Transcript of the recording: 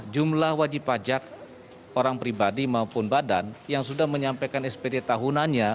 jumlah wajib pajak orang pribadi maupun badan yang sudah menyampaikan spd tahunannya